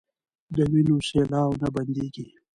د وينو سېلاوو نه بنديږي